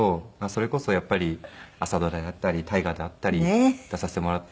それこそやっぱり朝ドラやったり大河であったり出させてもらって。